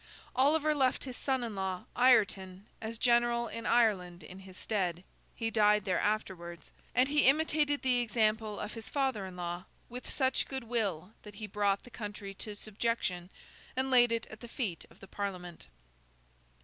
Oliver left his son in law, Ireton, as general in Ireland in his stead (he died there afterwards), and he imitated the example of his father in law with such good will that he brought the country to subjection, and laid it at the feet of the Parliament.